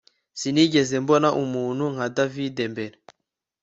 Sinigeze mbona umuntu nka David mbere